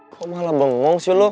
kok malah bengong sih loh